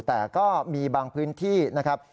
แต่ก็มีบางพื้นที่นะครับ